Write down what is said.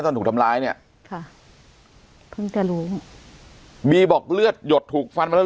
ตอนถูกทำร้ายเนี่ยค่ะเพิ่งจะรู้บีบอกเลือดหยดถูกฟันมาแล้ว